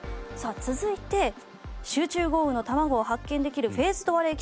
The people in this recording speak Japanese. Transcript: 続いて集中豪雨のたまごを発見できるフェーズドアレイ